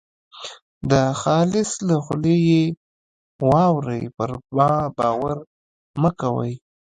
د خالص له خولې یې واورۍ پر ما باور مه کوئ.